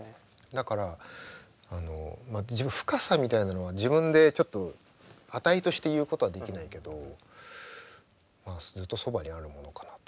だからあの深さみたいなのは自分でちょっと値として言うことはできないけどまあずっとそばにあるものかなと。